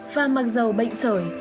và mặc dù bệnh sởi